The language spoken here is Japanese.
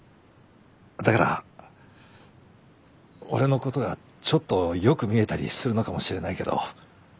だから俺のことがちょっと良く見えたりするのかもしれないけど。